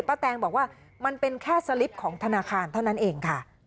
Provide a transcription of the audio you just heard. แตงบอกว่ามันเป็นแค่สลิปของธนาคารเท่านั้นเองค่ะ